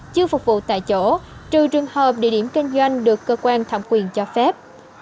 chưa phục vụ tại chỗ trừ trường hợp địa điểm kinh doanh được cơ quan thẩm quyền cho phép